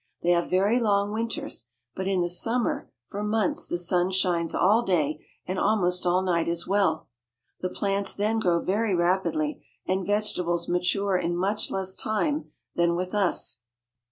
They have very long winters, but in the summer for months the sun shines all day and almost all night as well. The plants then grow very rapidly, and vegetables mature in much less time than with us.